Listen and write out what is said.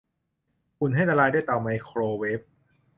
อุ่นให้ละลายด้วยเตาไมโครเวฟ